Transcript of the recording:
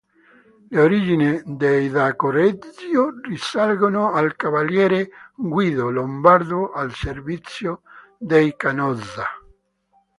Le origini dei da Correggio risalgono al cavaliere Guido, lombardo, al servizio dei Canossa.